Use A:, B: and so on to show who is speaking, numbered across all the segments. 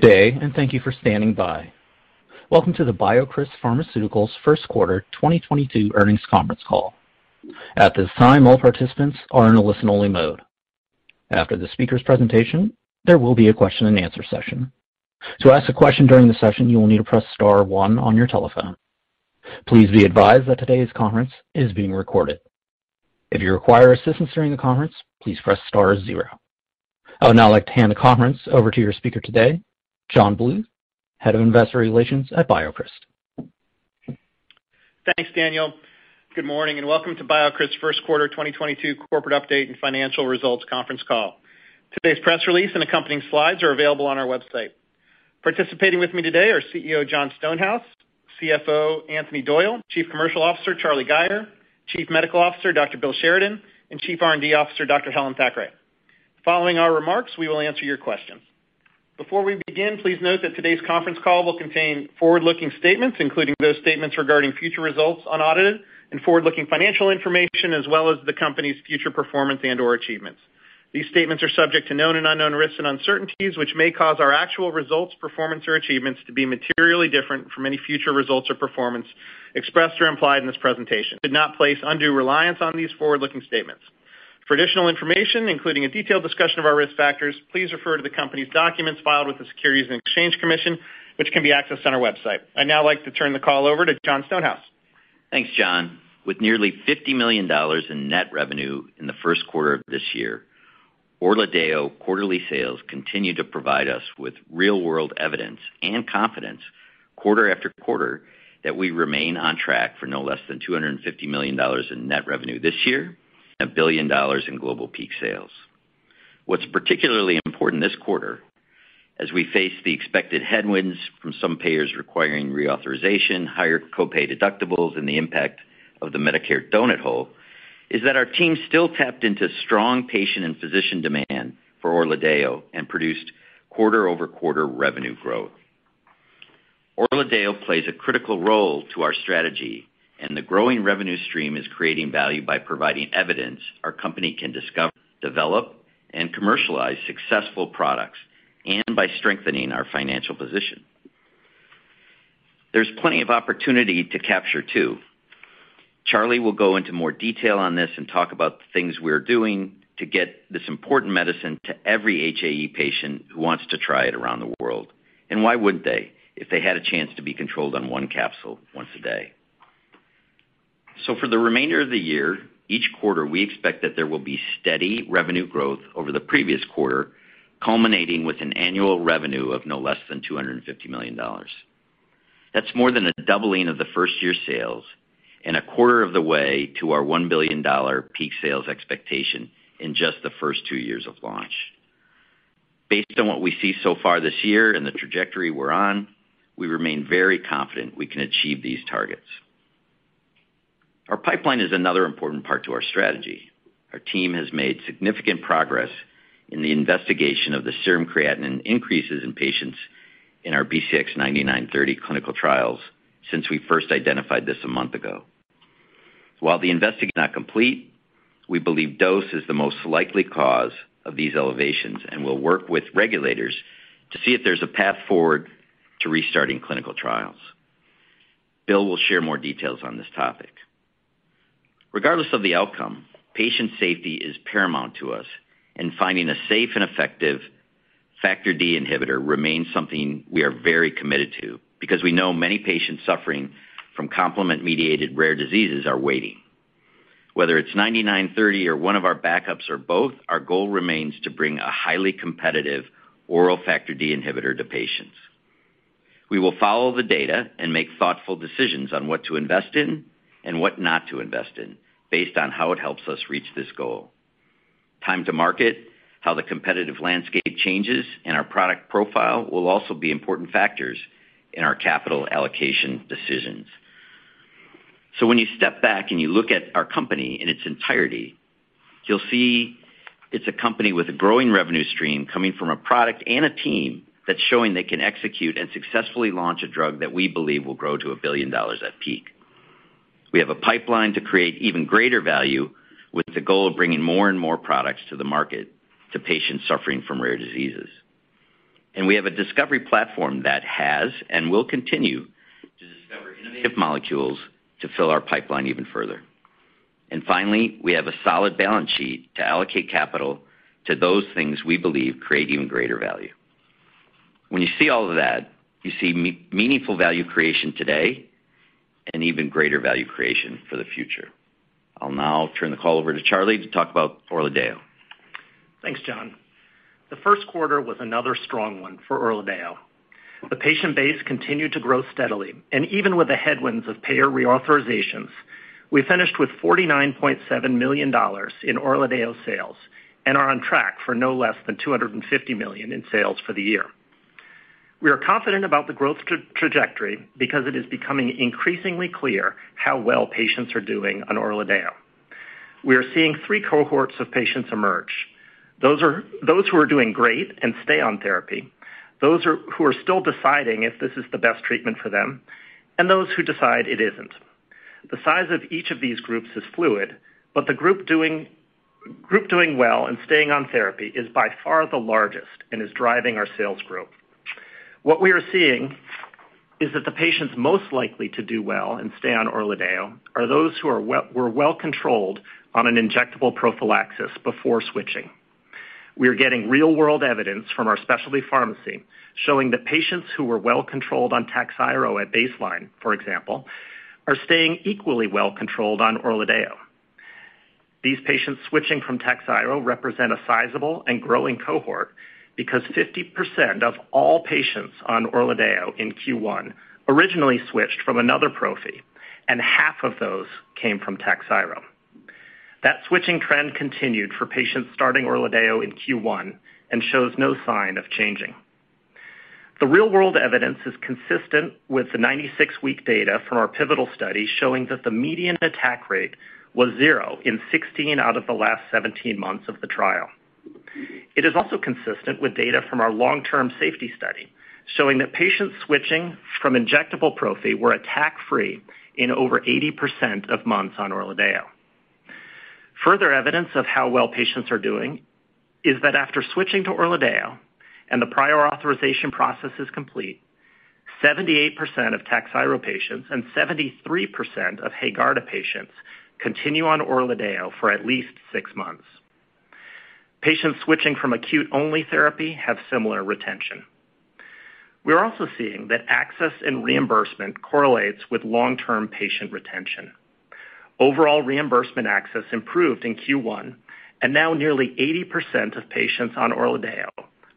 A: Good day, and thank you for standing by. Welcome to the BioCryst Pharmaceuticals First Quarter 2022 Earnings Conference Call. At this time, all participants are in a listen-only mode. After the speaker's presentation, there will be a question-and-answer session. To ask a question during the session, you will need to press star one on your telephone. Please be advised that today's conference is being recorded. If you require assistance during the conference, please press star zero. I would now like to hand the conference over to your speaker today, John Bluth, Head of Investor Relations at BioCryst.
B: Thanks, Daniel. Good morning, and welcome to BioCryst's first quarter 2022 corporate update and financial results conference call. Today's press release and accompanying slides are available on our website. Participating with me today are CEO Jon Stonehouse, CFO Anthony Doyle, Chief Commercial Officer Charlie Gayer, Chief Medical Officer Dr. Bill Sheridan, and Chief R&D Officer Dr. Helen Thackray. Following our remarks, we will answer your questions. Before we begin, please note that today's conference call will contain forward-looking statements, including those statements regarding future results on audited and forward-looking financial information, as well as the company's future performance and/or achievements. These statements are subject to known and unknown risks and uncertainties, which may cause our actual results, performance, or achievements to be materially different from any future results or performance expressed or implied in this presentation. Do not place undue reliance on these forward-looking statements. For additional information, including a detailed discussion of our risk factors, please refer to the company's documents filed with the Securities and Exchange Commission, which can be accessed on our website. I'd now like to turn the call over to Jon Stonehouse.
C: Thanks, John. With nearly $50 million in net revenue in the first quarter of this year, ORLADEYO quarterly sales continue to provide us with real-world evidence and confidence quarter after quarter that we remain on track for no less than $250 million in net revenue this year and $1 billion in global peak sales. What's particularly important this quarter, as we face the expected headwinds from some payers requiring reauthorization, higher co-pay deductibles, and the impact of the Medicare donut hole, is that our team still tapped into strong patient and physician demand for ORLADEYO and produced quarter-over-quarter revenue growth. ORLADEYO plays a critical role to our strategy, and the growing revenue stream is creating value by providing evidence our company can discover, develop, and commercialize successful products and by strengthening our financial position. There's plenty of opportunity to capture too. Charlie will go into more detail on this and talk about the things we're doing to get this important medicine to every HAE patient who wants to try it around the world. Why wouldn't they if they had a chance to be controlled on one capsule once a day? For the remainder of the year, each quarter, we expect that there will be steady revenue growth over the previous quarter, culminating with an annual revenue of no less than $250 million. That's more than a doubling of the first-year sales and a quarter of the way to our $1 billion peak sales expectation in just the first two years of launch. Based on what we see so far this year and the trajectory we're on, we remain very confident we can achieve these targets. Our pipeline is another important part to our strategy. Our team has made significant progress in the investigation of the serum creatinine increases in patients in our BCX9930 clinical trials since we first identified this a month ago. While the investigation is not complete, we believe dose is the most likely cause of these elevations and will work with regulators to see if there's a path forward to restarting clinical trials. Bill will share more details on this topic. Regardless of the outcome, patient safety is paramount to us, and finding a safe and effective Factor D inhibitor remains something we are very committed to because we know many patients suffering from complement-mediated rare diseases are waiting. Whether it's 99-30 or one of our backups or both, our goal remains to bring a highly competitive oral Factor D inhibitor to patients. We will follow the data and make thoughtful decisions on what to invest in and what not to invest in based on how it helps us reach this goal. Time to market, how the competitive landscape changes, and our product profile will also be important factors in our capital allocation decisions. When you step back and you look at our company in its entirety, you'll see it's a company with a growing revenue stream coming from a product and a team that's showing they can execute and successfully launch a drug that we believe will grow to $1 billion at peak. We have a pipeline to create even greater value with the goal of bringing more and more products to the market to patients suffering from rare diseases. We have a discovery platform that has and will continue to discover innovative molecules to fill our pipeline even further. Finally, we have a solid balance sheet to allocate capital to those things we believe create even greater value. When you see all of that, you see meaningful value creation today and even greater value creation for the future. I'll now turn the call over to Charlie to talk about ORLADEYO.
D: Thanks, John. The first quarter was another strong one for ORLADEYO. The patient base continued to grow steadily, and even with the headwinds of payer reauthorizations, we finished with $49.7 million in ORLADEYO sales and are on track for no less than $250 million in sales for the year. We are confident about the growth trajectory because it is becoming increasingly clear how well patients are doing on ORLADEYO. We are seeing three cohorts of patients emerge. Those who are doing great and stay on therapy, those who are still deciding if this is the best treatment for them, and those who decide it isn't. The size of each of these groups is fluid, but the group doing well and staying on therapy is by far the largest and is driving our sales growth. What we are seeing is that the patients most likely to do well and stay on ORLADEYO are those who were well-controlled on an injectable prophylaxis before switching. We are getting real-world evidence from our specialty pharmacy showing that patients who were well-controlled on Takhzyro at baseline, for example, are staying equally well-controlled on ORLADEYO. These patients switching from Takhzyro represent a sizable and growing cohort because 50% of all patients on ORLADEYO in Q1 originally switched from another prophy, and half of those came from Takhzyro. That switching trend continued for patients starting ORLADEYO in Q1 and shows no sign of changing. The real-world evidence is consistent with the 96-week data from our pivotal study showing that the median attack rate was zero in 16 out of the last 17 months of the trial. It is also consistent with data from our long-term safety study, showing that patients switching from injectable prophy were attack-free in over 80% of months on ORLADEYO. Further evidence of how well patients are doing is that after switching to ORLADEYO and the prior authorization process is complete, 78% of Takhzyro patients and 73% of HAEGARDA patients continue on ORLADEYO for at least six months. Patients switching from acute-only therapy have similar retention. We are also seeing that access and reimbursement correlates with long-term patient retention. Overall reimbursement access improved in Q1, and now nearly 80% of patients on ORLADEYO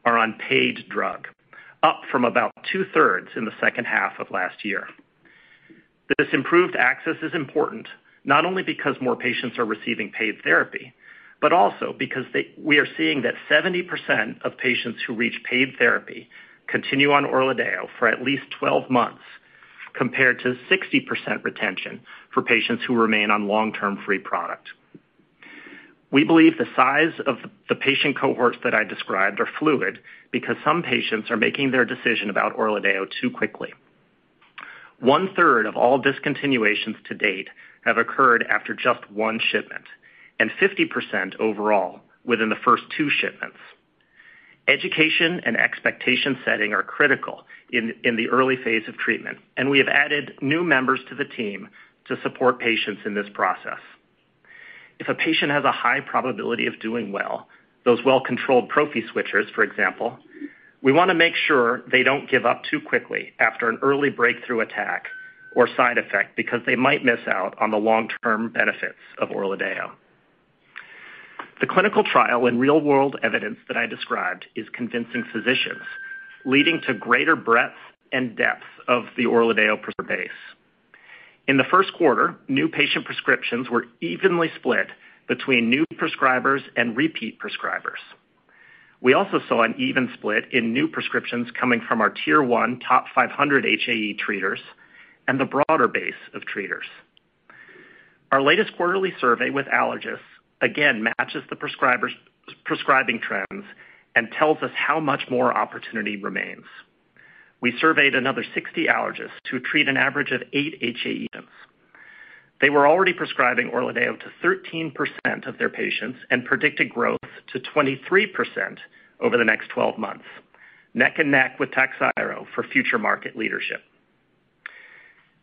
D: are on paid drug, up from about two-thirds in the second half of last year. This improved access is important not only because more patients are receiving paid therapy, but also because we are seeing that 70% of patients who reach paid therapy continue on ORLADEYO for at least 12 months, compared to 60% retention for patients who remain on long-term free product. We believe the size of the patient cohorts that I described are fluid because some patients are making their decision about ORLADEYO too quickly. 1/3 of all discontinuations to date have occurred after just one shipment, and 50% overall within the first two shipments. Education and expectation setting are critical in the early phase of treatment, and we have added new members to the team to support patients in this process. If a patient has a high probability of doing well, those well-controlled prophy switchers, for example, we wanna make sure they don't give up too quickly after an early breakthrough attack or side effect because they might miss out on the long-term benefits of ORLADEYO. The clinical trial and real-world evidence that I described is convincing physicians, leading to greater breadth and depth of the ORLADEYO base. In the first quarter, new patient prescriptions were evenly split between new prescribers and repeat prescribers. We also saw an even split in new prescriptions coming from our tier one top 500 HAE treaters and the broader base of treaters. Our latest quarterly survey with allergists again matches the prescribers' prescribing trends and tells us how much more opportunity remains. We surveyed another 60 allergists who treat an average of eight HAE patients. They were already prescribing ORLADEYO to 13% of their patients and predicted growth to 23% over the next 12 months, neck and neck with Takhzyro for future market leadership.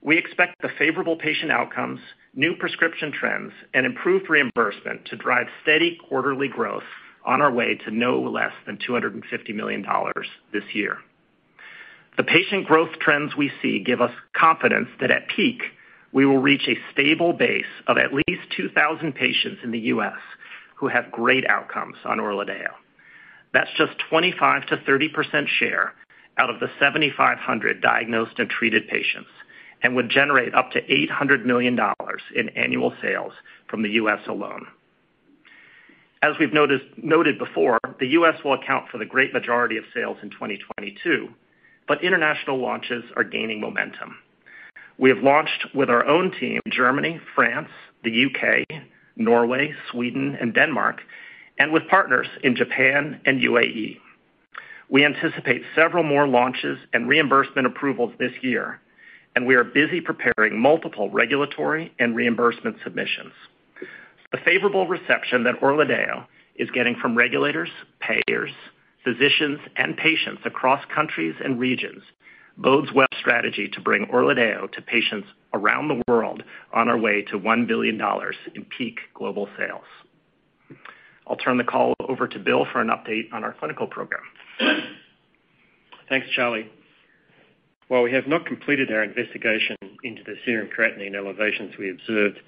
D: We expect the favorable patient outcomes, new prescription trends, and improved reimbursement to drive steady quarterly growth on our way to no less than $250 million this year. The patient growth trends we see give us confidence that at peak, we will reach a stable base of at least 2,000 patients in the U.S. who have great outcomes on ORLADEYO. That's just 25%-30% share out of the 7,500 diagnosed and treated patients and would generate up to $800 million in annual sales from the U.S. alone. As we've noted before, the U.S. will account for the great majority of sales in 2022, but international launches are gaining momentum. We have launched with our own team in Germany, France, the U.K., Norway, Sweden, and Denmark, and with partners in Japan and UAE. We anticipate several more launches and reimbursement approvals this year, and we are busy preparing multiple regulatory and reimbursement submissions. The favorable reception that ORLADEYO is getting from regulators, payers, physicians, and patients across countries and regions bodes well strategy to bring ORLADEYO to patients around the world on our way to $1 billion in peak global sales. I'll turn the call over to Bill for an update on our clinical program.
E: Thanks, Charlie. While we have not completed our investigation into the serum creatinine elevations we observed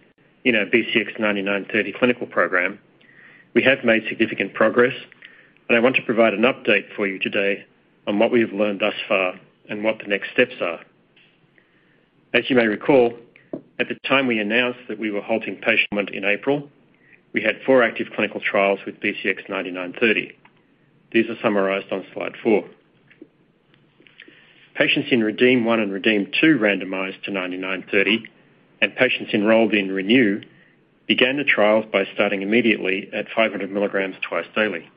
E: in our BCX9930 clinical program, we have made significant progress, and I want to provide an update for you today on what we have learned thus far and what the next steps are. As you may recall, at the time we announced that we were halting dosing in April, we had four active clinical trials with BCX9930. These are summarized on slide four. Patients in REDEEM-1 and REDEEM-2 randomized to BCX9930 and patients enrolled in RENEW began the trials by starting immediately at 500 milligrams twice daily.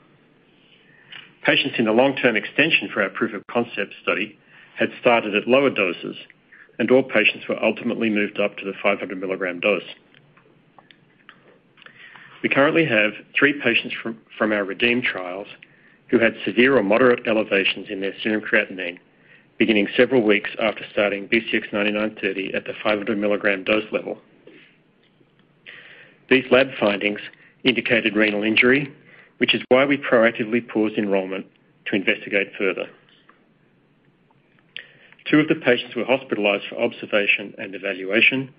E: Patients in the long-term extension for our proof of concept study had started at lower doses, and all patients were ultimately moved up to the 500 milligram dose. We currently have three patients from our REDEEM trials who had severe or moderate elevations in their serum creatinine, beginning several weeks after starting BCX9930 at the 500 mg dose level. These lab findings indicated renal injury, which is why we proactively paused enrollment to investigate further. Two of the patients were hospitalized for observation and evaluation,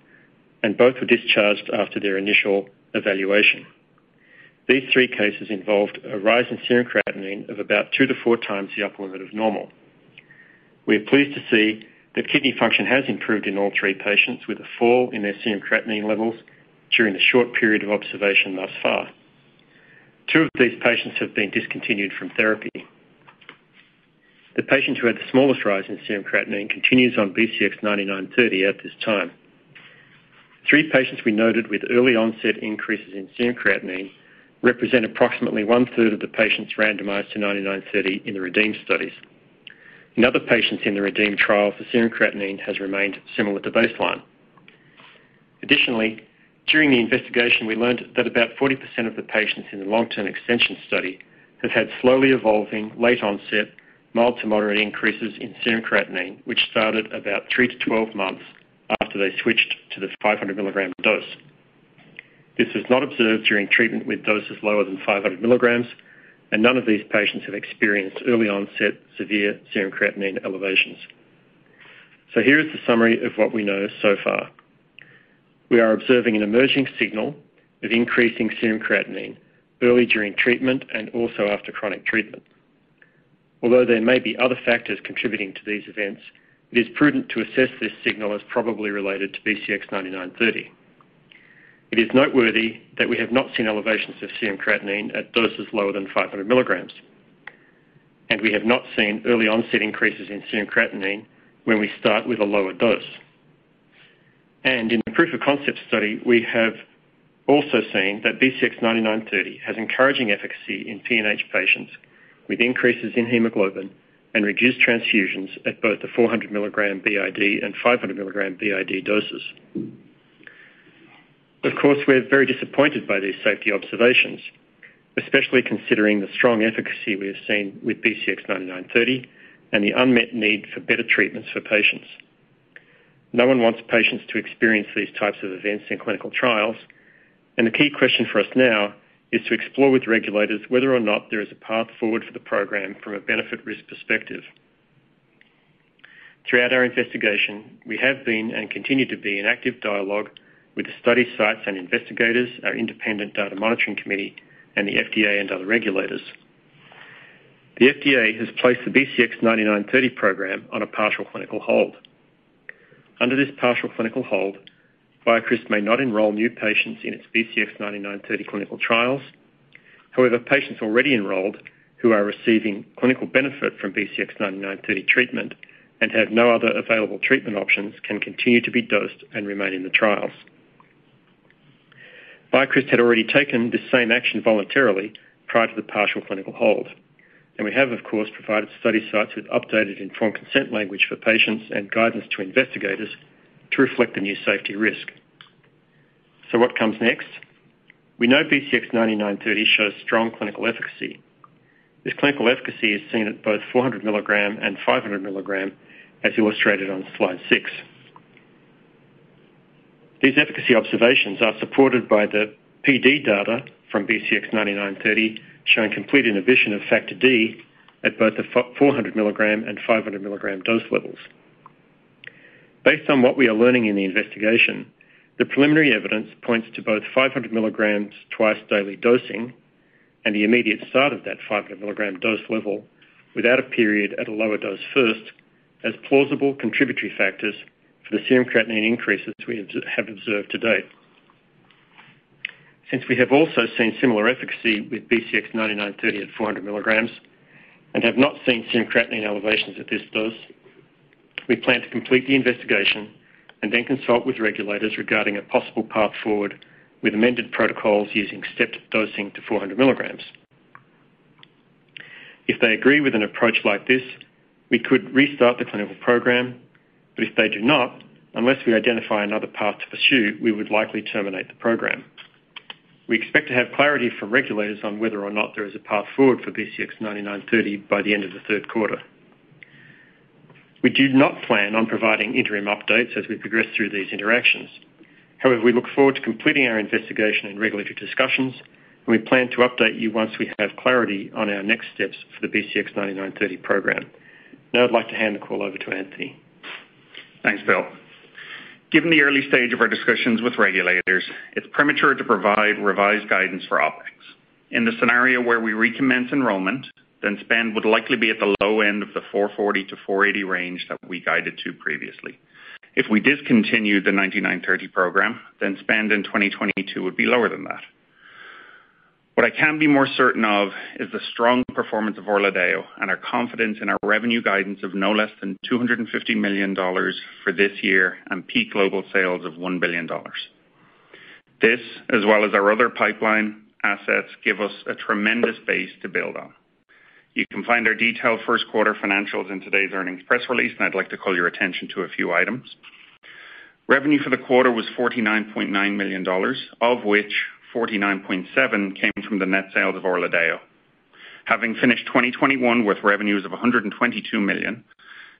E: and both were discharged after their initial evaluation. These three cases involved a rise in serum creatinine of about 2x-4x the upper limit of normal. We are pleased to see that kidney function has improved in all three patients, with a fall in their serum creatinine levels during the short period of observation thus far. two of these patients have been discontinued from therapy. The patient who had the smallest rise in serum creatinine continues on BCX9930 at this time. Three patients we noted with early onset increases in serum creatinine represent approximately 1/3 of the patients randomized to 9930 in the REDEEM studies. In other patients in the REDEEM trial, the serum creatinine has remained similar to baseline. Additionally, during the investigation, we learned that about 40% of the patients in the long-term extension study have had slowly evolving, late onset, mild to moderate increases in serum creatinine, which started about three-12 months after they switched to the 500 mg dose. This was not observed during treatment with doses lower than 500 mg, and none of these patients have experienced early onset severe serum creatinine elevations. Here is the summary of what we know so far. We are observing an emerging signal of increasing serum creatinine early during treatment and also after chronic treatment. Although there may be other factors contributing to these events, it is prudent to assess this signal as probably related to BCX9930. It is noteworthy that we have not seen elevations of serum creatinine at doses lower than 500 milligrams, and we have not seen early onset increases in serum creatinine when we start with a lower dose. In the proof of concept study, we have also seen that BCX9930 has encouraging efficacy in PNH patients with increases in hemoglobin and reduced transfusions at both the 400 mg BID and 500 mg BID doses. Of course, we're very disappointed by these safety observations, especially considering the strong efficacy we have seen with BCX9930 and the unmet need for better treatments for patients. No one wants patients to experience these types of events in clinical trials, and the key question for us now is to explore with regulators whether or not there is a path forward for the program from a benefit risk perspective. Throughout our investigation, we have been and continue to be in active dialogue with the study sites and investigators, our independent data monitoring committee, and the FDA and other regulators. The FDA has placed the BCX9930 program on a partial clinical hold. Under this partial clinical hold, BioCryst may not enroll new patients in its BCX9930 clinical trials. However, patients already enrolled who are receiving clinical benefit from BCX9930 treatment and have no other available treatment options can continue to be dosed and remain in the trials. BioCryst had already taken this same action voluntarily prior to the partial clinical hold, and we have, of course, provided study sites with updated informed consent language for patients and guidance to investigators to reflect the new safety risk. What comes next? We know BCX9930 shows strong clinical efficacy. This clinical efficacy is seen at both 400 mg and 500 mg, as illustrated on slide six. These efficacy observations are supported by the PD data from BCX9930, showing complete inhibition of Factor D at both the 400 mg and 500 mg dose levels. Based on what we are learning in the investigation, the preliminary evidence points to both 500 mg twice daily dosing and the immediate start of that 500 mg dose level without a period at a lower dose first as plausible contributory factors for the serum creatinine increases we have observed to date. Since we have also seen similar efficacy with BCX9930 at 400 mg and have not seen serum creatinine elevations at this dose, we plan to complete the investigation and then consult with regulators regarding a possible path forward with amended protocols using stepped dosing to 400 mg. If they agree with an approach like this, we could restart the clinical program. But if they do not, unless we identify another path to pursue, we would likely terminate the program. We expect to have clarity from regulators on whether or not there is a path forward for BCX9930 by the end of the third quarter. We do not plan on providing interim updates as we progress through these interactions. However, we look forward to completing our investigation and regulatory discussions, and we plan to update you once we have clarity on our next steps for the BCX9930 program. Now I'd like to hand the call over to Anthony.
F: Thanks, Bill. Given the early stage of our discussions with regulators, it's premature to provide revised guidance for OpEx. In the scenario where we recommence enrollment, spend would likely be at the low end of the $440-$480 range that we guided to previously. If we discontinue the BCX9930 program, spend in 2022 would be lower than that. What I can be more certain of is the strong performance of ORLADEYO and our confidence in our revenue guidance of no less than $250 million for this year and peak global sales of $1 billion. This, as well as our other pipeline assets, give us a tremendous base to build on. You can find our detailed first quarter financials in today's earnings press release, and I'd like to call your attention to a few items. Revenue for the quarter was $49.9 million, of which $49.7 came from the net sales of ORLADEYO. Having finished 2021 with revenues of $122 million,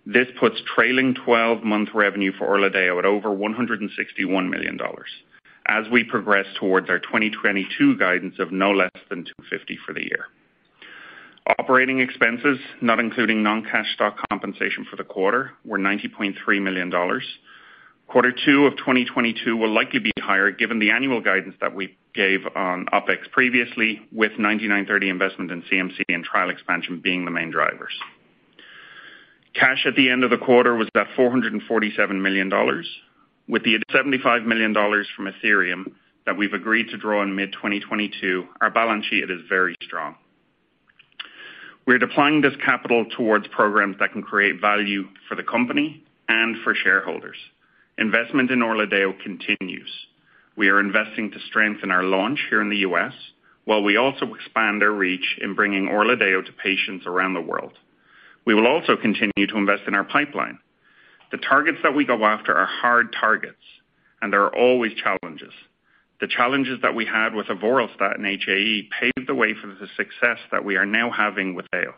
F: this puts trailing 12-month revenue for ORLADEYO at over $161 million as we progress towards our 2022 guidance of no less than $250 million for the year. Operating expenses, not including non-cash stock compensation for the quarter, were $90.3 million. Quarter 2 of 2022 will likely be higher given the annual guidance that we gave on OpEx previously, with 99/30 investment in CMC and trial expansion being the main drivers. Cash at the end of the quarter was at $447 million. With the $75 million from Athyrium that we've agreed to draw in mid-2022, our balance sheet is very strong. We're deploying this capital towards programs that can create value for the company and for shareholders. Investment in ORLADEYO continues. We are investing to strengthen our launch here in the U.S., while we also expand our reach in bringing ORLADEYO to patients around the world. We will also continue to invest in our pipeline. The targets that we go after are hard targets, and there are always challenges. The challenges that we had with avoralstat and HAE paved the way for the success that we are now having with ORLADEYO.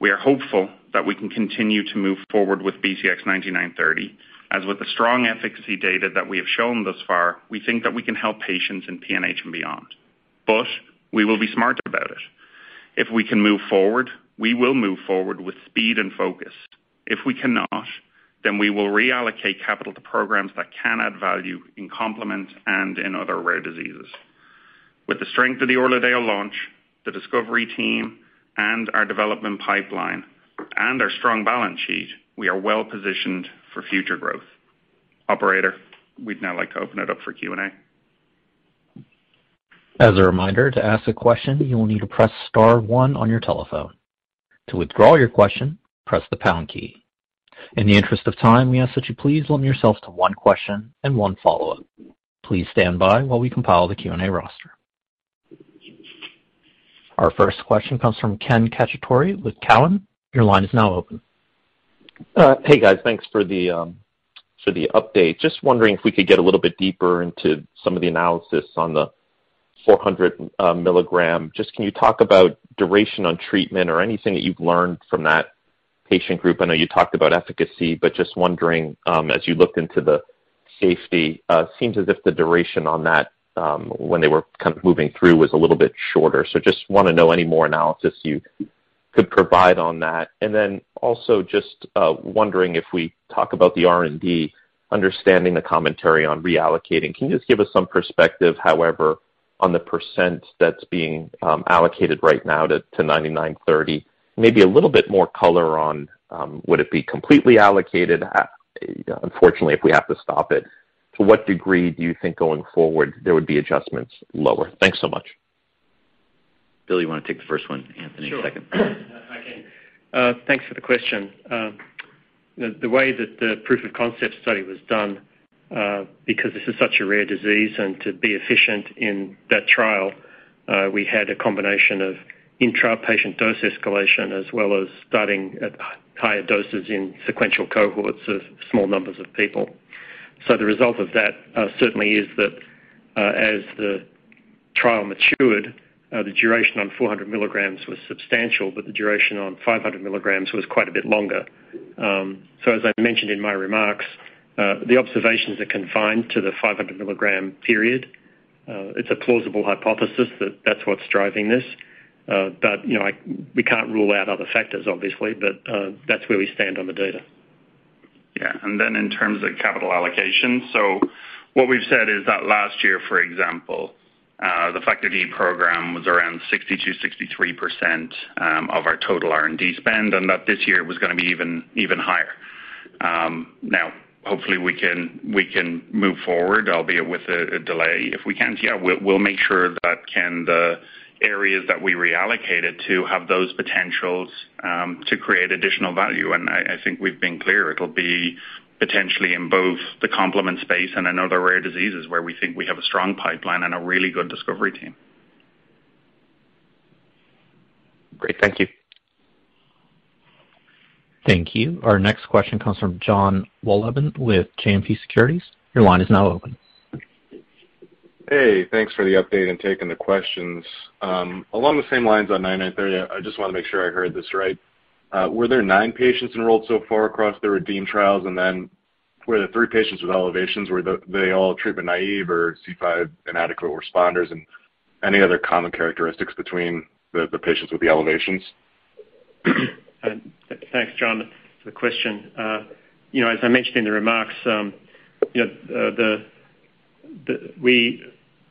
F: We are hopeful that we can continue to move forward with BCX9930. As with the strong efficacy data that we have shown thus far, we think that we can help patients in PNH and beyond. We will be smart about it. If we can move forward, we will move forward with speed and focus. If we cannot, then we will reallocate capital to programs that can add value in complement and in other rare diseases. With the strength of the ORLADEYO launch, the discovery team, and our development pipeline, and our strong balance sheet, we are well-positioned for future growth. Operator, we'd now like to open it up for Q&A.
A: As a reminder, to ask a question, you will need to press star one on your telephone. To withdraw your question, press the pound key. In the interest of time, we ask that you please limit yourself to one question and one follow-up. Please stand by while we compile the Q&A roster. Our first question comes from Ken Cacciatore with Cowen. Your line is now open.
G: Hey, guys. Thanks for the update. Just wondering if we could get a little bit deeper into some of the analysis on the 400 mg. Can you talk about duration on treatment or anything that you've learned from that patient group? I know you talked about efficacy, but just wondering, as you looked into the safety, seems as if the duration on that, when they were kind of moving through was a little bit shorter. Just wanna know any more analysis you could provide on that. Then also just wondering if we talk about the R&D, understanding the commentary on reallocating. Can you just give us some perspective, however, on the % that's being allocated right now to BCX9930? Maybe a little bit more color on would it be completely allocated, you know, unfortunately, if we have to stop it? To what degree do you think going forward there would be adjustments lower? Thanks so much.
C: Bill, you wanna take the first one, Anthony second?
E: Sure. I can. Thanks for the question. The way that the proof of concept study was done, because this is such a rare disease and to be efficient in that trial, we had a combination of intra-patient dose escalation as well as starting at higher doses in sequential cohorts of small numbers of people. The result of that certainly is that, as the trial matured, the duration on 400 mg was substantial, but the duration on 500 mg was quite a bit longer. As I mentioned in my remarks, the observations are confined to the 500 mg period. It's a plausible hypothesis that that's what's driving this, but, you know, we can't rule out other factors, obviously, but that's where we stand on the data.
F: In terms of capital allocation, so what we've said is that last year, for example, the Factor D program was around 62%-63% of our total R&D spend, and that this year was gonna be even higher. Now, hopefully we can move forward, albeit with a delay. If we can't, we'll make sure that the areas that we reallocated to have those potentials to create additional value. I think we've been clear it'll be potentially in both the complement space and in other rare diseases where we think we have a strong pipeline and a really good discovery team.
G: Great. Thank you.
A: Thank you. Our next question comes from John Wolleben with JMP Securities. Your line is now open.
H: Hey. Thanks for the update and taking the questions. Along the same lines on BCX9930, I just wanna make sure I heard this right. Were there nine patients enrolled so far across the REDEEM trials? Were the three patients with elevations, were they all treatment naive or C5 inadequate responders? Any other common characteristics between the patients with the elevations?
E: Thanks, John, for the question. You know, as I mentioned in the remarks, you know, we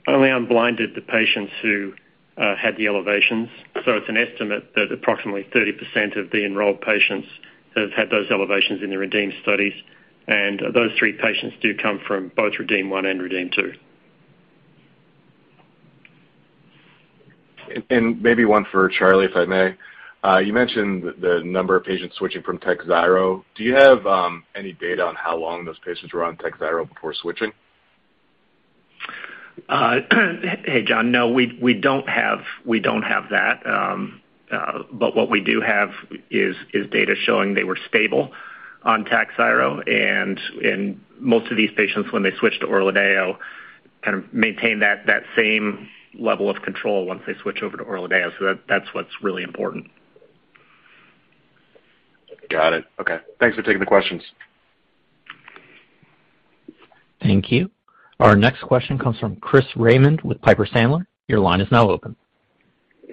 E: only unblinded the patients who had the elevations. It's an estimate that approximately 30% of the enrolled patients have had those elevations in the REDEEM studies, and those three patients do come from both REDEEM-1 and REDEEM-2.
H: Maybe one for Charlie, if I may. You mentioned the number of patients switching from Takhzyro. Do you have any data on how long those patients were on Takhzyro before switching?
D: Hey, John. No, we don't have that. What we do have is data showing they were stable on Takhzyro and most of these patients when they switch to ORLADEYO kind of maintain that same level of control once they switch over to ORLADEYO. That's what's really important.
H: Got it. Okay. Thanks for taking the questions.
A: Thank you. Our next question comes from Chris Raymond with Piper Sandler. Your line is now open.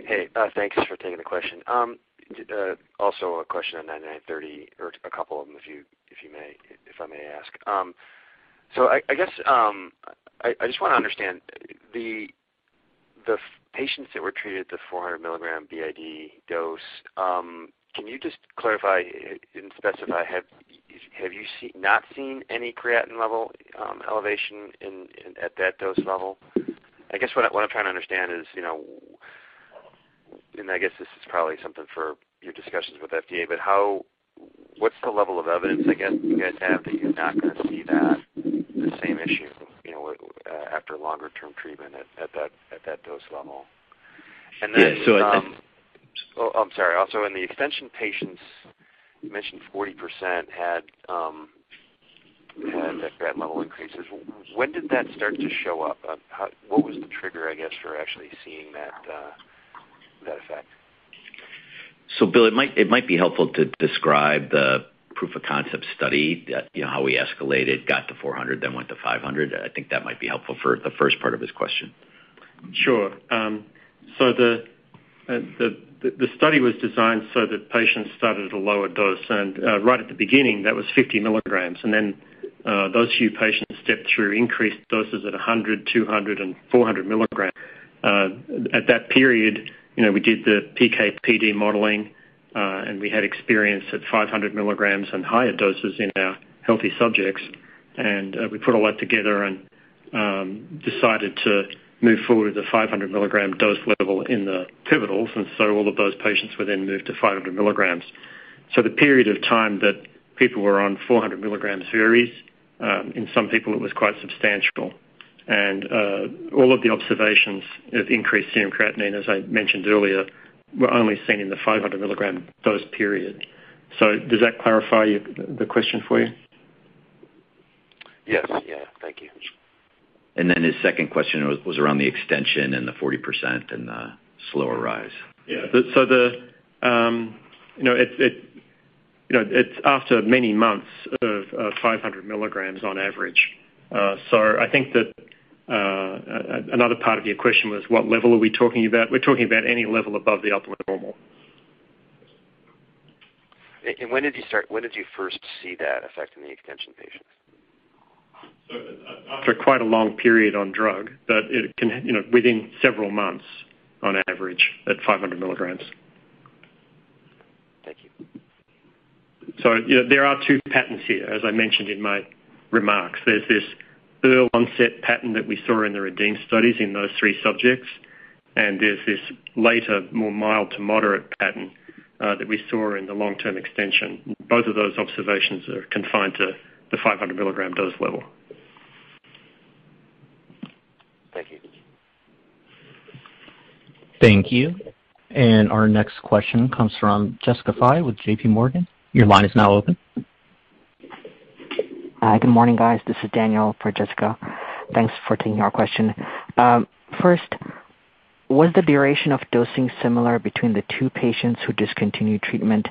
I: Hey, thanks for taking the question. Also a question on BCX9930 or a couple of them, if I may ask. So I guess I just wanna understand the patients that were treated at the 400 mg BID dose. Can you just clarify and specify have you not seen any creatinine level elevation at that dose level? I guess what I'm trying to understand is, you know, and I guess this is probably something for your discussions with FDA, but what's the level of evidence, again, you guys have that you're not gonna see that, the same issue, you know, after longer term treatment at that dose level? And then,
D: Yeah.
I: Oh, I'm sorry. Also, in the extension patients, you mentioned 40% had that CR level increases. When did that start to show up? What was the trigger, I guess, for actually seeing that effect?
C: Bill, it might be helpful to describe the proof of concept study that, you know, how we escalated, got to 400 mg, then went to 500 mg. I think that might be helpful for the first part of his question.
E: Sure. The study was designed so that patients started at a lower dose. Right at the beginning, that was 50 mg. Those few patients stepped through increased doses at 100 mg, 200 mg, and 400 mg. At that period, you know, we did the PK/PD modeling, and we had experience at 500 mg and higher doses in our healthy subjects. We put all that together and decided to move forward with the 500-mg dose level in the pivotals. All of those patients were then moved to 500 mg. The period of time that people were on 400 mg varies. In some people it was quite substantial. All of the observations of increased serum creatinine, as I mentioned earlier, were only seen in the 500 milligram dose period. Does that clarify the question for you?
I: Yes. Yeah. Thank you.
C: His second question was around the extension and the 40% and the slower rise.
E: Yeah. You know, it's after many months of 500 mg on average. I think that another part of your question was what level are we talking about? We're talking about any level above the upper normal.
I: When did you first see that effect in the extension patients?
E: After quite a long period on drug, but it can, you know, within several months on average at 500 mg.
I: Thank you.
E: You know, there are two patterns here, as I mentioned in my remarks. There's this early onset pattern that we saw in the REDEEM studies in those three subjects, and there's this later, more mild to moderate pattern that we saw in the long-term extension. Both of those observations are confined to the 500 mg dose level.
I: Thank you.
A: Thank you. Our next question comes from Jessica Fye with J.P. Morgan. Your line is now open.
J: Hi. Good morning, guys. This is Daniel for Jessica. Thanks for taking our question. First, was the duration of dosing similar between the two patients who discontinued treatment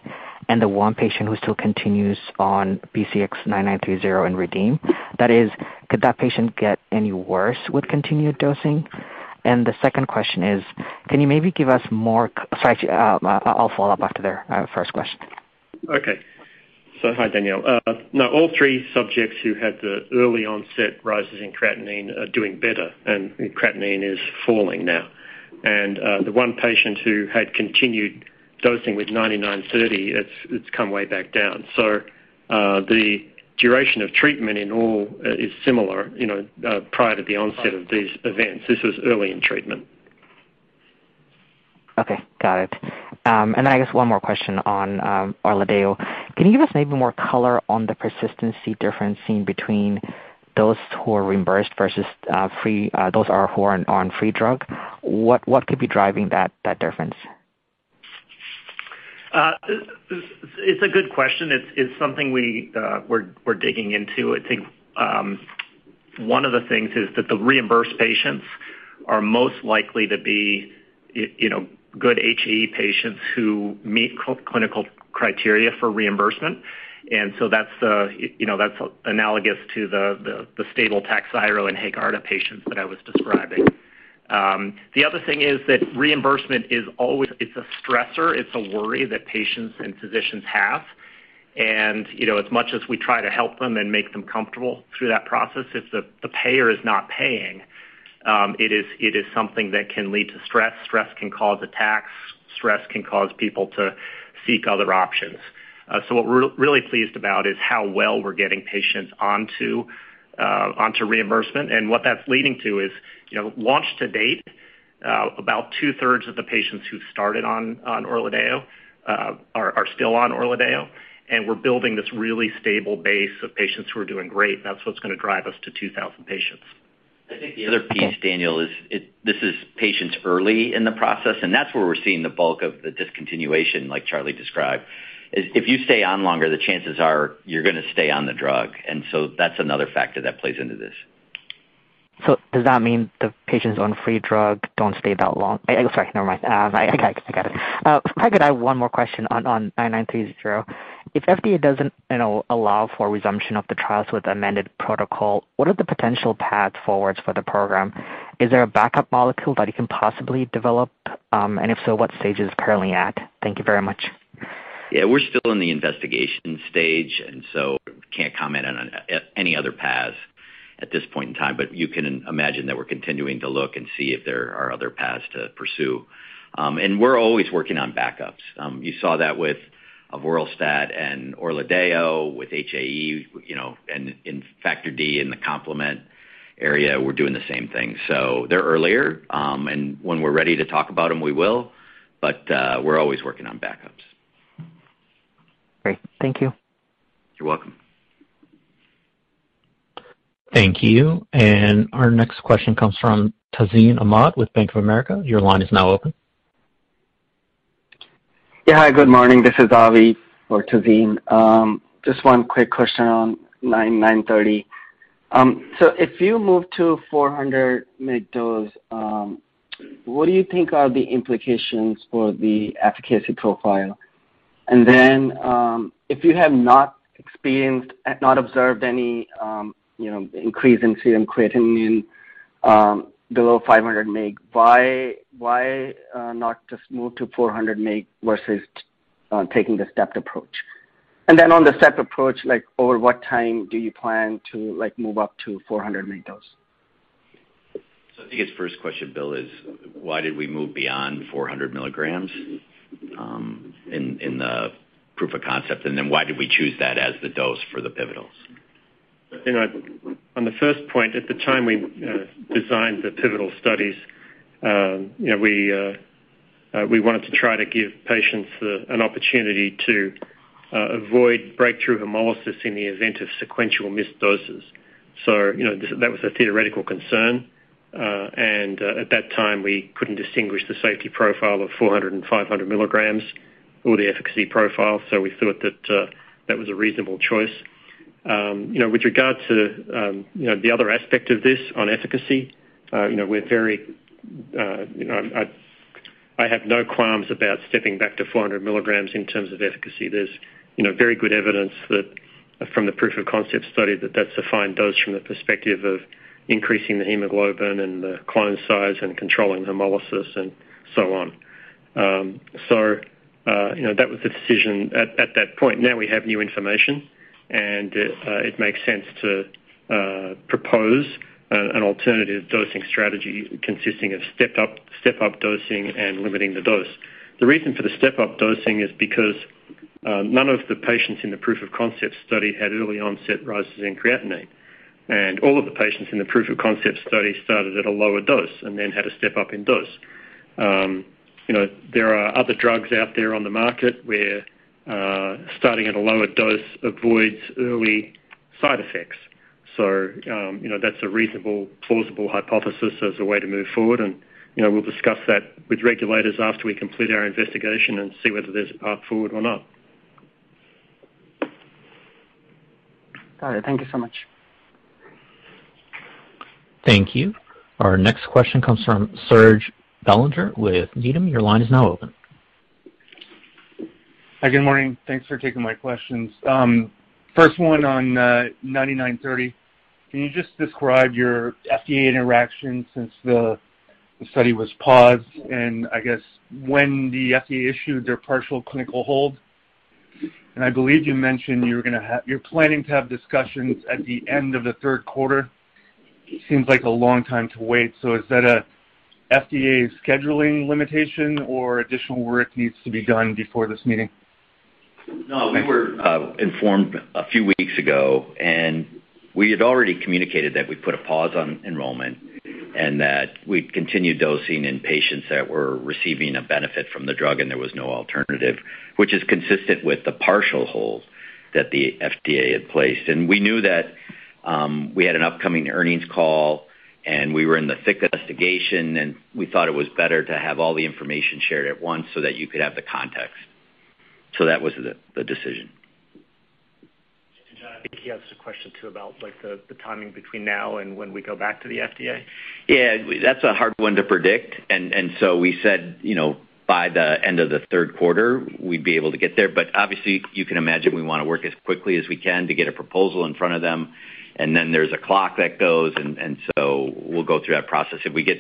J: and the one patient who still continues on BCX9930 in REDEEM? That is, could that patient get any worse with continued dosing? The second question is, can you maybe give us more. Sorry, I'll follow up after the first question.
E: Okay. Hi, Daniel. No, all three subjects who had the early onset rises in creatinine are doing better, and creatinine is falling now. The one patient who had continued dosing with BCX9930, it's come way back down. The duration of treatment in all is similar, you know, prior to the onset of these events. This was early in treatment.
J: Okay. Got it. I guess one more question on ORLADEYO. Can you give us maybe more color on the persistency difference seen between those who are reimbursed versus free, those who are on free drug? What could be driving that difference?
E: It's a good question. It's something we're digging into. I think one of the things is that the reimbursed patients are most likely to be, you know, good HAE patients who meet clinical criteria for reimbursement. That's analogous to the stable Takhzyro and HAEGARDA patients that I was describing. The other thing is that reimbursement is always a stressor. It's a worry that patients and physicians have. As much as we try to help them and make them comfortable through that process, if the payer is not paying, it is something that can lead to stress. Stress can cause attacks. Stress can cause people to seek other options. What we're really pleased about is how well we're getting patients onto reimbursement. What that's leading to is, you know, launch to date, about two-thirds of the patients who started on ORLADEYO are still on ORLADEYO. We're building this really stable base of patients who are doing great, and that's what's gonna drive us to 2,000 patients.
C: I think the other piece, Daniel, this is patients early in the process, and that's where we're seeing the bulk of the discontinuation like Charlie described. It's if you stay on longer, the chances are you're gonna stay on the drug. That's another factor that plays into this.
J: Does that mean the patients on free drug don't stay that long? I'm sorry, never mind. I got it. If I could add one more question on 99-30. If FDA doesn't allow for resumption of the trials with amended protocol, what are the potential paths forwards for the program? Is there a backup molecule that you can possibly develop? If so, what stage is it currently at? Thank you very much.
C: Yeah, we're still in the investigation stage, and so can't comment on any other paths at this point in time. You can imagine that we're continuing to look and see if there are other paths to pursue. We're always working on backups. You saw that with avoralstat and ORLADEYO with HAE, you know, and in Factor D in the complement area, we're doing the same thing. They're earlier, and when we're ready to talk about them, we will. We're always working on backups.
J: Great. Thank you.
C: You're welcome.
A: Thank you. Our next question comes from Tazeen Ahmad with Bank of America. Your line is now open.
K: Yeah. Hi, good morning. This is Avi for Tazeen. Just one quick question on BCX9930. So if you move to 400 mg dose, what do you think are the implications for the efficacy profile? And then, if you have not experienced and not observed any, you know, increase in serum creatinine, below 500 mg, why not just move to 400 mg versus taking the stepped approach? And then on the stepped approach, like over what time do you plan to, like, move up to 400 mg dose?
C: I think his first question, Bill, is why did we move beyond 400 mg in the proof of concept, and then why did we choose that as the dose for the pivotals?
E: You know, on the first point, at the time we designed the pivotal studies, you know, we wanted to try to give patients an opportunity to avoid breakthrough hemolysis in the event of sequential missed doses. You know, that was a theoretical concern. At that time, we couldn't distinguish the safety profile of 400 mg and 500 mg or the efficacy profile. We thought that was a reasonable choice. You know, with regard to the other aspect of this on efficacy, I have no qualms about stepping back to 400 mg in terms of efficacy. There's, you know, very good evidence that from the proof of concept study that that's a fine dose from the perspective of increasing the hemoglobin and the clone size and controlling hemolysis and so on. You know, that was the decision at that point. Now we have new information, and it makes sense to propose an alternative dosing strategy consisting of step-up dosing and limiting the dose. The reason for the step-up dosing is because none of the patients in the proof of concept study had early onset rises in creatinine, and all of the patients in the proof of concept study started at a lower dose and then had a step up in dose. You know, there are other drugs out there on the market where starting at a lower dose avoids early side effects. You know, that's a reasonable plausible hypothesis as a way to move forward. You know, we'll discuss that with regulators after we complete our investigation and see whether there's a path forward or not.
K: All right. Thank you so much.
A: Thank you. Our next question comes from Serge Belanger with Needham. Your line is now open.
L: Hi, good morning. Thanks for taking my questions. First one on BCX9930. Can you just describe your FDA interaction since the study was paused and I guess when the FDA issued their partial clinical hold? I believe you mentioned you're planning to have discussions at the end of the third quarter. Seems like a long time to wait. Is that a FDA scheduling limitation or additional work needs to be done before this meeting?
C: No. We were informed a few weeks ago, and we had already communicated that we put a pause on enrollment and that we'd continue dosing in patients that were receiving a benefit from the drug and there was no alternative, which is consistent with the partial hold that the FDA had placed. We knew that we had an upcoming earnings call, and we were in the thick investigation, and we thought it was better to have all the information shared at once so that you could have the context. That was the decision.
E: Jon, I think he asked a question too about like the timing between now and when we go back to the FDA.
C: Yeah. That's a hard one to predict. We said, you know, by the end of the third quarter, we'd be able to get there. Obviously, you can imagine we wanna work as quickly as we can to get a proposal in front of them, and then there's a clock that goes, and so we'll go through that process. If we get,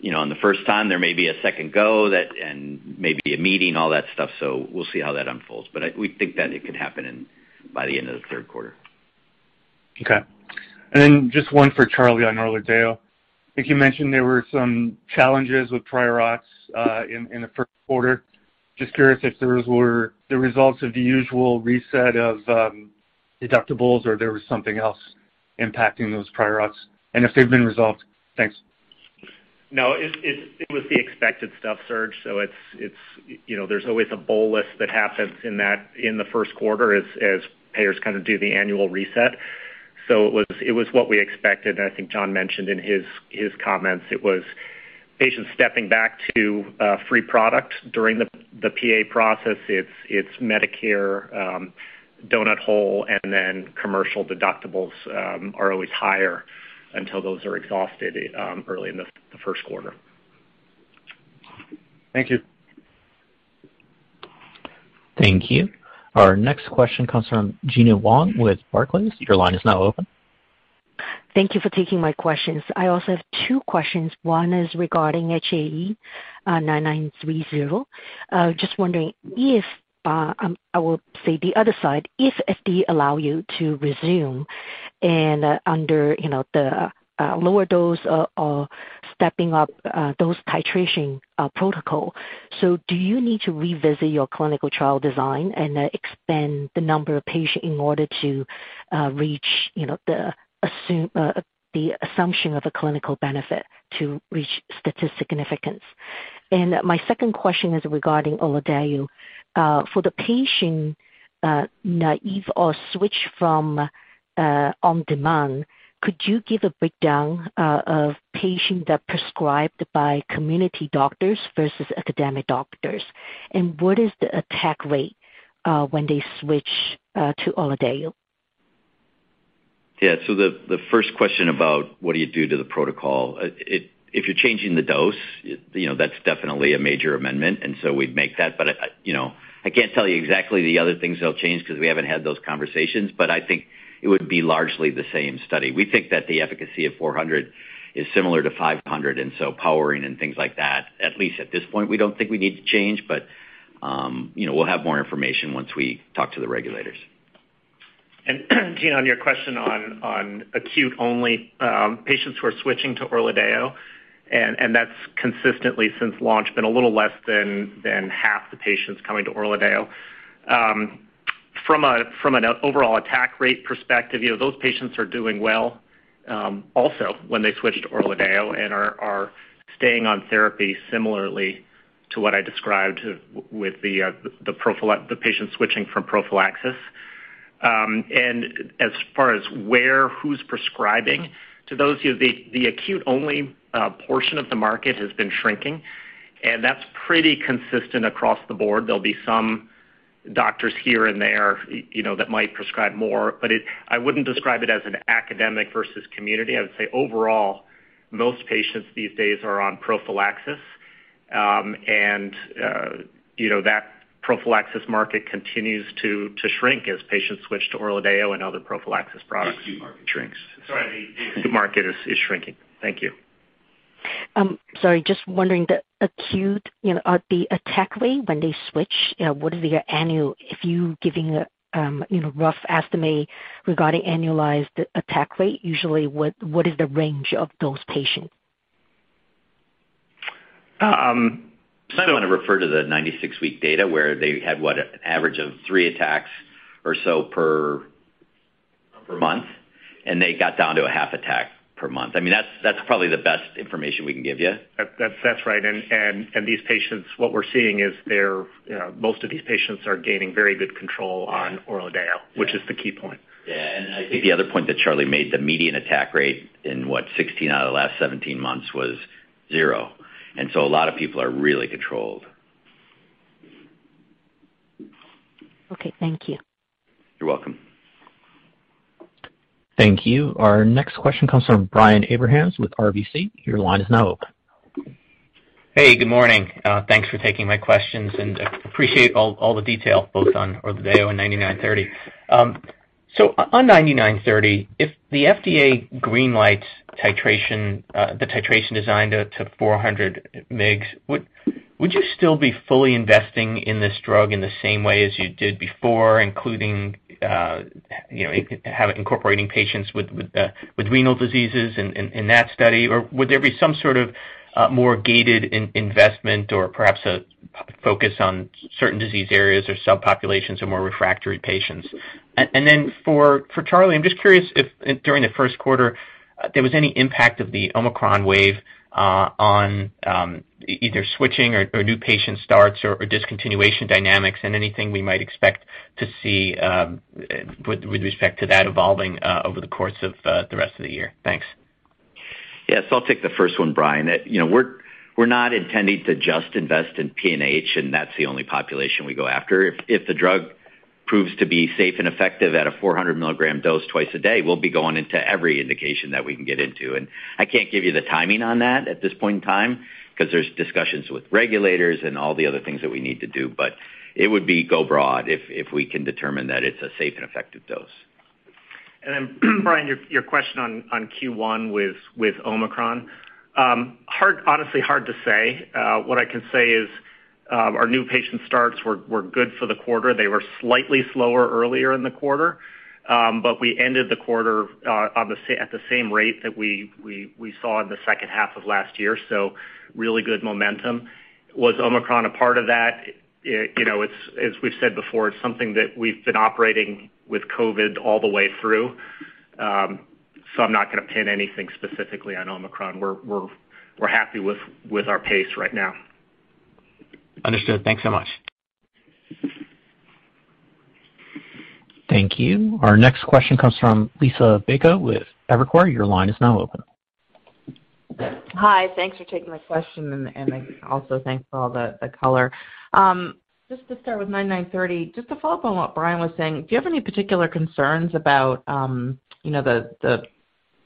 C: you know, on the first time, there may be a second go at that and maybe a meeting, all that stuff. We'll see how that unfolds. We think that it can happen by the end of the third quarter.
L: Okay. Just one for Charlie on ORLADEYO. I think you mentioned there were some challenges with prior auths in the first quarter. Just curious if those were the results of the usual reset of deductibles or there was something else impacting those prior auths and if they've been resolved. Thanks.
D: No, it was the expected stuff, Serge. It's, you know, there's always a bowl list that happens in the first quarter as payers kind of do the annual reset. It was what we expected, and I think Jon mentioned in his comments. It was patients stepping back to free product during the PA process. It's Medicare donut hole, and then commercial deductibles are always higher until those are exhausted early in the first quarter.
L: Thank you.
A: Thank you. Our next question comes from Gena Wang with Barclays. Your line is now open.
M: Thank you for taking my questions. I also have two questions. One is regarding BCX9930. Just wondering if FDA allow you to resume and under, you know, the lower dose or stepping up dose titration protocol. Do you need to revisit your clinical trial design and expand the number of patients in order to reach, you know, the assumption of a clinical benefit to reach statistical significance? And my second question is regarding ORLADEYO. For the patient naive or switch from on demand, could you give a breakdown of patients that prescribed by community doctors versus academic doctors? And what is the attack rate when they switch to ORLADEYO?
C: Yeah. The first question about what do you do to the protocol? If you're changing the dose, you know, that's definitely a major amendment, and so we'd make that. You know, I can't tell you exactly the other things they'll change 'cause we haven't had those conversations, but I think it would be largely the same study. We think that the efficacy of 400 mg is similar to 500 mg, and so powering and things like that, at least at this point, we don't think we need to change. You know, we'll have more information once we talk to the regulators.
D: Gena, on your question on acute only patients who are switching to ORLADEYO, and that's consistently since launch been a little less than half the patients coming to ORLADEYO. From an overall attack rate perspective, you know, those patients are doing well also when they switch to ORLADEYO and are staying on therapy similarly to what I described with the patients switching from prophylaxis. As far as who's prescribing to those, you know, the acute-only portion of the market has been shrinking, and that's pretty consistent across the board. There'll be some doctors here and there, you know, that might prescribe more, but I wouldn't describe it as an academic versus community. I would say overall, most patients these days are on prophylaxis, and you know, that prophylaxis market continues to shrink as patients switch to ORLADEYO and other prophylaxis products.
C: The acute market shrinks.
D: Sorry, the market is shrinking. Thank you.
M: Sorry, just wondering the acute, you know, the attack rate when they switch, you know, if you're giving a, you know, rough estimate regarding annualized attack rate, usually what is the range of those patients?
C: I wanna refer to the 96-week data where they had, what? An average of three attacks or so per month, and they got down to a half attack per month. I mean, that's probably the best information we can give you.
D: That's right. These patients, what we're seeing is they're, you know, most of these patients are gaining very good control on ORLADEYO, which is the key point.
C: Yeah. I think the other point that Charlie made, the median attack rate in, what? 16 out of the last 17 months was zero. So a lot of people are really controlled.
M: Okay. Thank you.
C: You're welcome.
A: Thank you. Our next question comes from Brian Abrahams with RBC. Your line is now open.
N: Hey. Good morning. Thanks for taking my questions and appreciate all the detail both on ORLADEYO and BCX9930. On BCX9930, if the FDA green lights titration, the titration design to 400 mg, would you still be fully investing in this drug in the same way as you did before, including incorporating patients with renal diseases in that study? Or would there be some sort of more gated investment or perhaps a more focused on certain disease areas or subpopulations or more refractory patients? For Charlie, I'm just curious if during the first quarter there was any impact of the Omicron wave on either switching or new patient starts or discontinuation dynamics and anything we might expect to see with respect to that evolving over the course of the rest of the year? Thanks.
C: Yes. I'll take the first one, Brian. You know, we're not intending to just invest in PNH, and that's the only population we go after. If the drug proves to be safe and effective at a 400 mg dose twice a day, we'll be going into every indication that we can get into. I can't give you the timing on that at this point in time 'cause there's discussions with regulators and all the other things that we need to do. It would be to go broad if we can determine that it's a safe and effective dose.
D: Brian, your question on Q1 with Omicron. Honestly, hard to say. What I can say is Our new patient starts were good for the quarter. They were slightly slower earlier in the quarter, but we ended the quarter at the same rate that we saw in the second half of last year, so really good momentum. Was Omicron a part of that? You know, it's as we've said before, it's something that we've been operating with COVID all the way through. So I'm not gonna pin anything specifically on Omicron. We're happy with our pace right now.
N: Understood. Thanks so much.
A: Thank you. Our next question comes from Liisa Bayko with Evercore. Your line is now open.
O: Hi. Thanks for taking my question, and also thanks for all the color. Just to start with BCX9930, just to follow up on what Brian was saying, do you have any particular concerns about, you know, the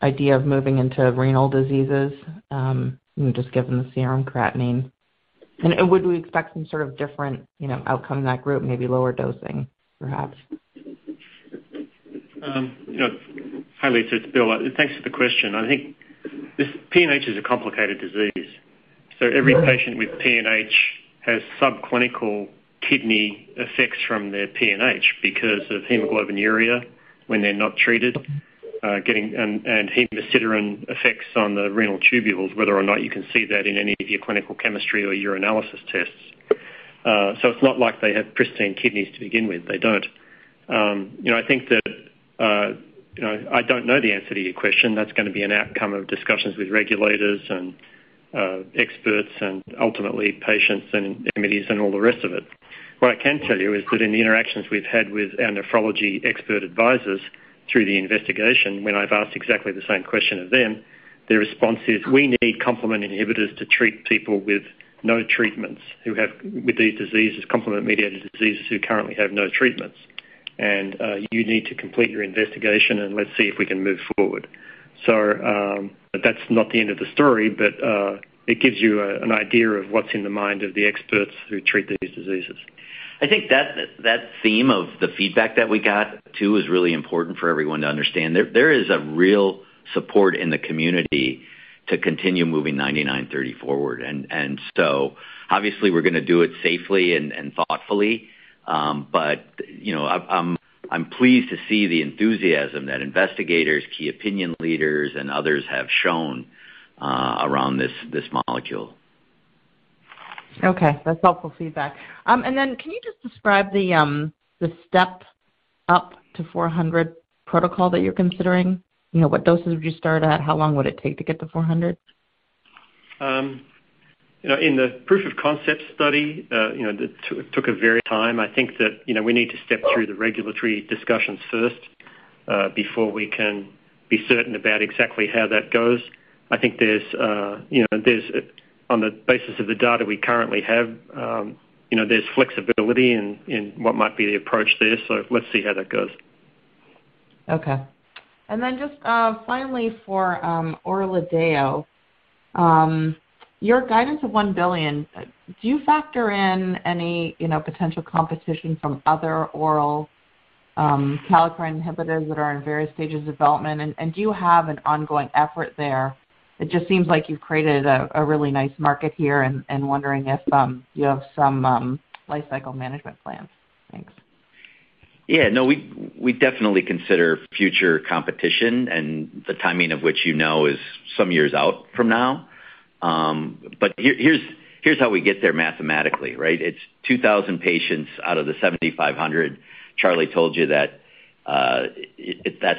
O: idea of moving into renal diseases, just given the serum creatinine? And would we expect some sort of different, you know, outcome in that group, maybe lower dosing, perhaps?
E: You know, Hi, Lisa, it's Bill. Thanks for the question. I think this PNH is a complicated disease. Every patient with PNH has subclinical kidney effects from their PNH because of hemoglobinuria when they're not treated, getting hemosiderin effects on the renal tubules, whether or not you can see that in any of your clinical chemistry or urinalysis tests. It's not like they have pristine kidneys to begin with. They don't. You know, I think that, you know, I don't know the answer to your question. That's gonna be an outcome of discussions with regulators and, experts and ultimately patients and committees and all the rest of it. What I can tell you is that in the interactions we've had with our nephrology expert advisors through the investigation, when I've asked exactly the same question of them, their response is, "We need complement inhibitors to treat people with no treatments with these diseases, complement-mediated diseases who currently have no treatments. You need to complete your investigation, and let's see if we can move forward." That's not the end of the story, but it gives you an idea of what's in the mind of the experts who treat these diseases.
C: I think that theme of the feedback that we got too is really important for everyone to understand. There is a real support in the community to continue moving BCX9930 forward. Obviously we're gonna do it safely and thoughtfully, but you know, I'm pleased to see the enthusiasm that investigators, key opinion leaders and others have shown around this molecule.
O: Okay, that's helpful feedback. Then can you just describe the step up to 400 protocol that you're considering? You know, what doses would you start at? How long would it take to get to 400 mg?
E: You know, in the proof-of-concept study, you know, it took a very time. I think that, you know, we need to step through the regulatory discussions first, before we can be certain about exactly how that goes. On the basis of the data we currently have, you know, there's flexibility in what might be the approach there, so let's see how that goes.
O: Okay. Just finally for ORLADEYO, your guidance of $1 billion, do you factor in any, you know, potential competition from other oral kallikrein inhibitors that are in various stages of development? Do you have an ongoing effort there? It just seems like you've created a really nice market here and wondering if you have some lifecycle management plans. Thanks.
C: Yeah, no, we definitely consider future competition and the timing of which, you know, is some years out from now. But here's how we get there mathematically, right? It's 2,000 patients out of the 7,500. Charlie told you that's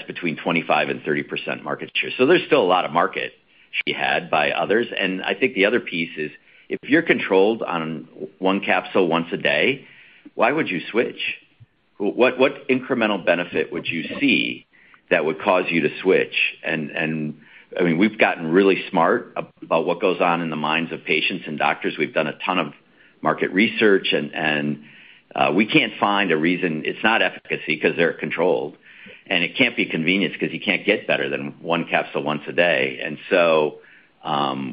C: between 25% and 30% market share. There's still a lot of market share held by others, and I think the other piece is, if you're controlled on one capsule once a day, why would you switch? What incremental benefit would you see that would cause you to switch? I mean, we've gotten really smart about what goes on in the minds of patients and doctors. We've done a ton of market research, and we can't find a reason. It's not efficacy 'cause they're controlled, and it can't be convenience 'cause you can't get better than one capsule once a day.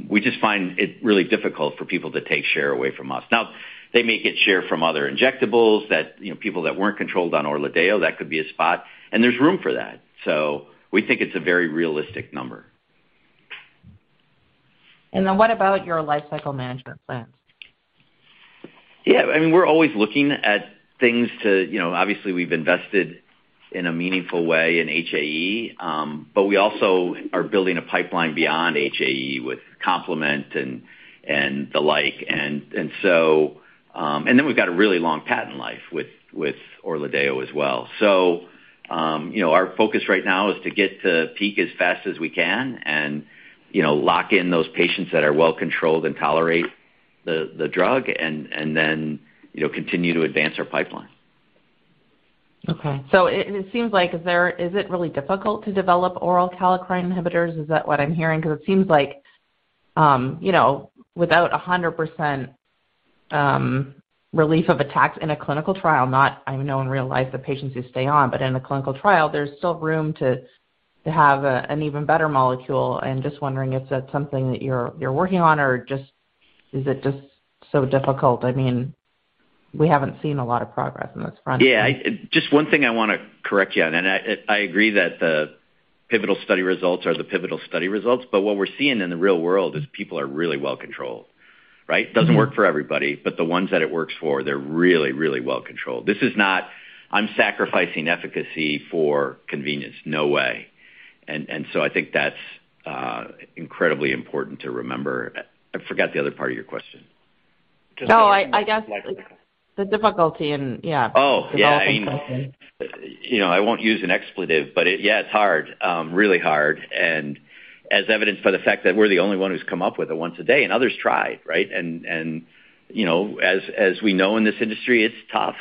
C: We just find it really difficult for people to take share away from us. Now, they may get share from other injectables that, you know, people that weren't controlled on oral ORLADEYO, that could be a spot, and there's room for that. We think it's a very realistic number.
O: What about your lifecycle management plans?
C: Yeah, I mean, we're always looking at things to, you know. Obviously, we've invested in a meaningful way in HAE, but we also are building a pipeline beyond HAE with complement and the like. We've got a really long patent life with ORLADEYO as well. You know, our focus right now is to get to peak as fast as we can and, you know, lock in those patients that are well controlled and tolerate the drug and then, you know, continue to advance our pipeline.
O: Okay. It seems like is it really difficult to develop oral kallikrein inhibitors? Is that what I'm hearing? Cause it seems like, you know, without 100% relief of attacks in a clinical trial, not I know in real life the patients who stay on, but in a clinical trial, there's still room to have an even better molecule. Just wondering if that's something that you're working on, or is it just so difficult? I mean, we haven't seen a lot of progress on this front.
C: Yeah. Just one thing I wanna correct you on, and I agree that the pivotal study results are the pivotal study results, but what we're seeing in the real world is people are really well-controlled, right? Doesn't work for everybody, but the ones that it works for, they're really, really well-controlled. This is not I'm sacrificing efficacy for convenience. No way. So I think that's incredibly important to remember. I forgot the other part of your question.
O: No, I guess the difficulty in. Yeah.
C: Oh, yeah. I mean, you know, I won't use an expletive, but yeah, it's hard. Really hard. As evidenced by the fact that we're the only one who's come up with a once-a-day, and others tried, right? You know, as we know in this industry, it's tough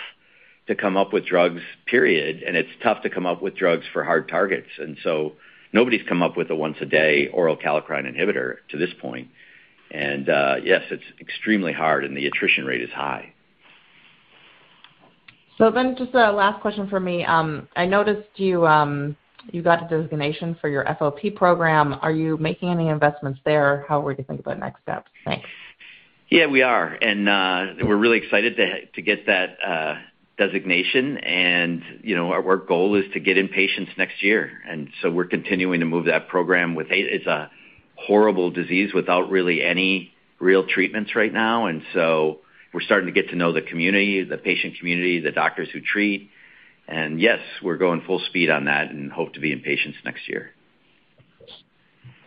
C: to come up with drugs, period, and it's tough to come up with drugs for hard targets. Nobody's come up with a once-a-day oral kallikrein inhibitor to this point. Yes, it's extremely hard, and the attrition rate is high.
O: Just a last question from me. I noticed you got a designation for your FOP program. Are you making any investments there? How are you thinking about next steps? Thanks.
C: Yeah, we are. We're really excited to get that designation. You know, our goal is to get in patients next year. We're continuing to move that program. It's a horrible disease without really any real treatments right now. We're starting to get to know the community, the patient community, the doctors who treat. Yes, we're going full speed on that and hope to be in patients next year.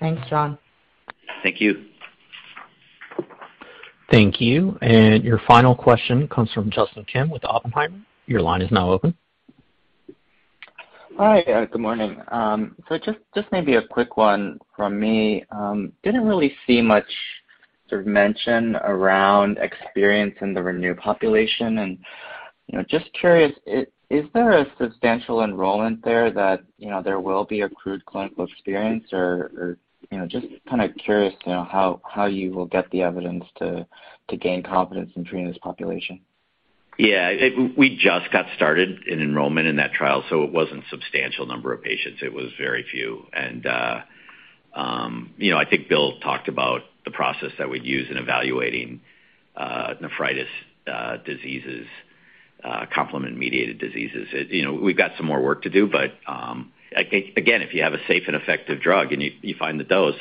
O: Thanks, Jon.
C: Thank you.
A: Thank you. Your final question comes from Justin Kim with Oppenheimer. Your line is now open.
P: Hi. Yeah, good morning. Just maybe a quick one from me. Didn't really see much sort of mention around experience in the RENEW population. You know, just curious, is there a substantial enrollment there that, you know, there will be a crude clinical experience or, you know. Just kinda curious, you know, how you will get the evidence to gain confidence in treating this population.
C: Yeah. We just got started in enrollment in that trial, so it wasn't a substantial number of patients. It was very few. You know, I think Bill talked about the process that we'd use in evaluating nephritis diseases, complement-mediated diseases. You know, we've got some more work to do, but again, if you have a safe and effective drug and you find the dose,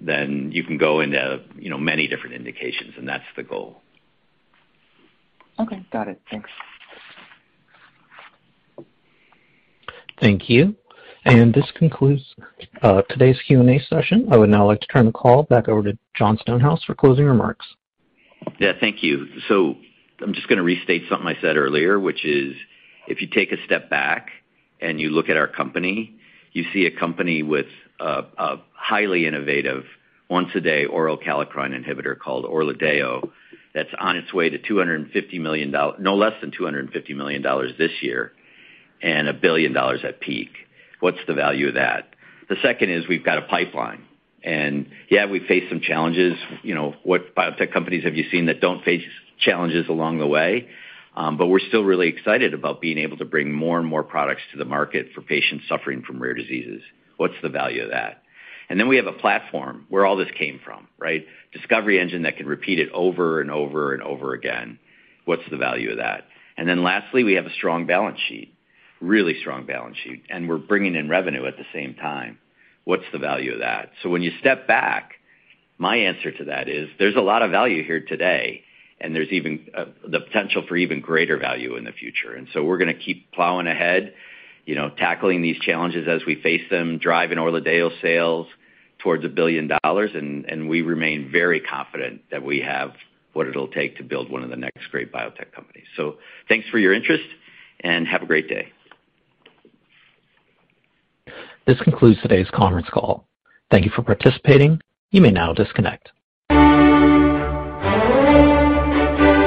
C: then you can go into you know many different indications, and that's the goal.
P: Okay. Got it. Thanks.
A: Thank you. This concludes today's Q&A session. I would now like to turn the call back over to Jon Stonehouse for closing remarks.
C: Yeah. Thank you. I'm just gonna restate something I said earlier, which is if you take a step back and you look at our company, you see a company with a highly innovative once-a-day oral kallikrein inhibitor called ORLADEYO that's on its way to $250 million, no less than $250 million this year and $1 billion at peak. What's the value of that? The second is we've got a pipeline. Yeah, we face some challenges. You know, what biotech companies have you seen that don't face challenges along the way? But we're still really excited about being able to bring more and more products to the market for patients suffering from rare diseases. What's the value of that? We have a platform where all this came from, right? Discovery engine that can repeat it over and over and over again. What's the value of that? Lastly, we have a strong balance sheet, really strong balance sheet, and we're bringing in revenue at the same time. What's the value of that? When you step back, my answer to that is there's a lot of value here today, and there's even the potential for even greater value in the future. We're gonna keep plowing ahead, you know, tackling these challenges as we face them, driving ORLADEYO sales towards $1 billion, and we remain very confident that we have what it'll take to build one of the next great biotech companies. Thanks for your interest, and have a great day.
A: This concludes today's conference call. Thank you for participating. You may now disconnect.